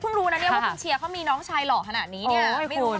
รู้นะเนี่ยว่าคุณเชียร์เขามีน้องชายหล่อขนาดนี้เนี่ย